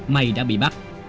mày đã bị bắt